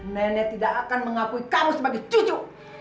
nenek tidak akan mengakui kamu sebagai cucu